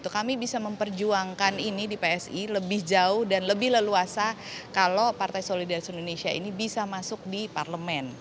kami bisa memperjuangkan ini di psi lebih jauh dan lebih leluasa kalau partai solidasi indonesia ini bisa masuk di parlemen